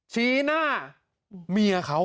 ชี้หน้าเมียเขา